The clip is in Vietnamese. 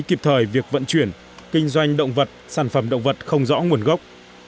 kịp thời việc vận chuyển kinh doanh động vật sản phẩm động vật không rõ nguồn gốc